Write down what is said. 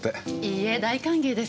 いいえ大歓迎です。